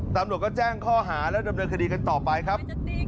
ตำรวจก็แจ้งข้อหาแล้วดำเนินคดีกันต่อไปครับ